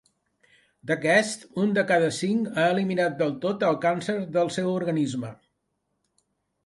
D'aquests, un de cada cinc ha eliminat del tot el càncer del seu organisme.